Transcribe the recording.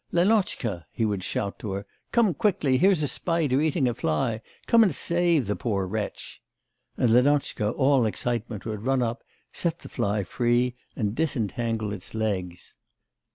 'Lenotchka,' he would shout to her, 'come quickly, here's a spider eating a fly; come and save the poor wretch!' And Lenotchka, all excitement, would run up, set the fly free, and disentangle its legs.